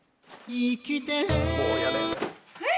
「生きて」えっ？